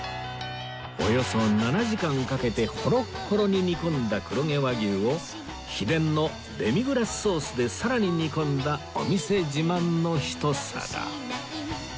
およそ７時間かけてホロッホロに煮込んだ黒毛和牛を秘伝のデミグラスソースでさらに煮込んだお店自慢のひと皿